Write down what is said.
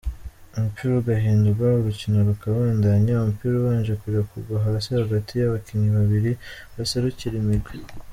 Umupira ugahindugwa, urukino rukabandanya umupira ubanje kurekugwa hasi hagati y'abakinyi babiri baserukira imigwi.